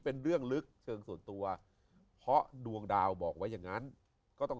เป็นเรื่องลึกเชิงส่วนตัวเพราะดวงดาวบอกไว้อย่างนั้นก็ต้อง